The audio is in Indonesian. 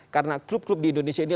karena klub klub di indonesia ini